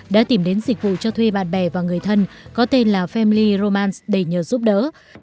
đã tìm đến dịch vụ cho thuê bạn bè và người thân có tên là famli roman để nhờ giúp đỡ